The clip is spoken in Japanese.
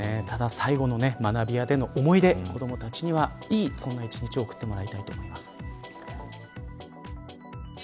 ただ、最後の学び舎での思い出子どもたちには、いい１日送ってもらいたいと思います。